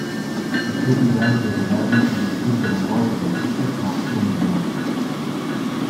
Il suo più grande desiderio è distruggere una volta per tutte Maxum Man.